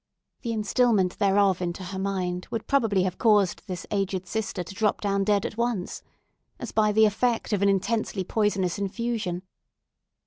The instilment thereof into her mind would probably have caused this aged sister to drop down dead, at once, as by the effect of an intensely poisonous infusion.